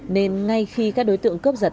nên ngay khi các đối tượng cấp dật